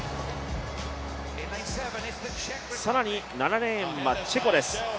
更に７レーンはチェコです。